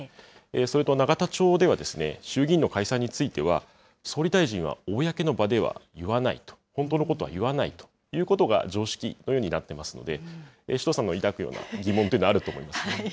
それと永田町では衆議院の解散については、総理大臣は公の場では言わないと、本当のことは言わないということが常識のようになっていますので、首藤さんが抱くような疑問というのはあると思います。